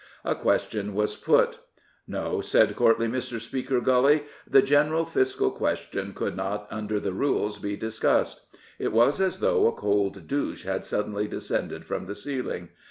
A question was put. No, said courtly Mr. Speaker Gully, the general fiscal question could not under the rules be discussed. It was as though a cold dou ch e had suddenly descended from the ceiling.